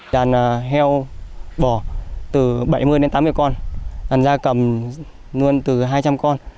đàn heo vỏ từ bảy mươi đến tám mươi con đàn gia cầm nuôn từ hai trăm linh con